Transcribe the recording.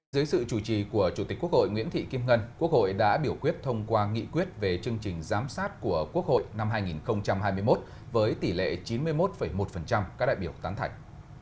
dưới sự chủ trì của chủ tịch quốc hội nguyễn thị kim ngân quốc hội đã biểu quyết thông qua nghị quyết về chương trình giám sát của quốc hội năm hai nghìn hai mươi một với tỷ lệ chín mươi một một các đại biểu tán thành